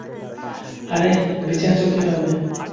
আরে, বেঁচে আছো কিভাবে?